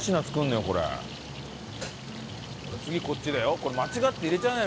次こっちだよ。